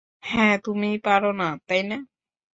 হ্যাঁ, তুমি পারো না, তাই না?